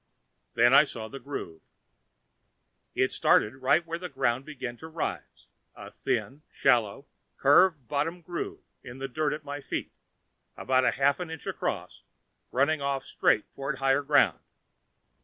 Then I saw the groove. It started right where the ground began to rise a thin, shallow, curve bottomed groove in the dirt at my feet, about half an inch across, running off straight toward higher ground.